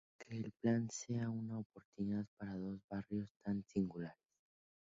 que el Plan sea una oportunidad para dos barrios tan singulares